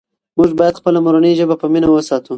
موږ باید خپله مورنۍ ژبه په مینه وساتو.